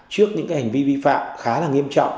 trước những hành vi vi phạm khá là nghiêm trọng